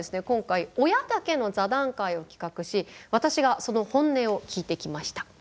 今回親だけの座談会を企画し私がその本音を聞いてきました。